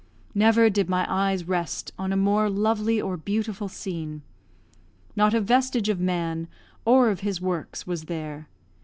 Never did my eyes rest on a more lovely or beautiful scene. Not a vestige of man, or of his works, was there.